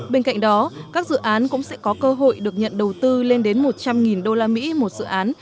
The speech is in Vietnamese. bên cạnh đó các dự án cũng sẽ có cơ hội được nhận đầu tư lên đến một trăm linh usd một dự án